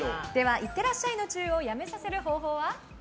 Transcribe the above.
いってらっしゃいのチューをやめさせる方法は？